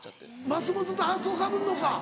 松本と発想かぶんのか。